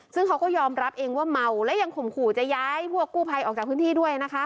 ซึ่งเขาก็ยอมรับเองว่าเมาและยังข่มขู่จะย้ายพวกกู้ภัยออกจากพื้นที่ด้วยนะคะ